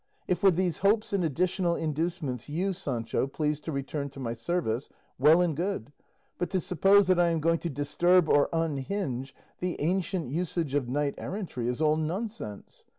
If with these hopes and additional inducements you, Sancho, please to return to my service, well and good; but to suppose that I am going to disturb or unhinge the ancient usage of knight errantry, is all nonsense.